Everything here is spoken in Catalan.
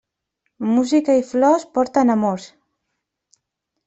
Música i flors porten amors.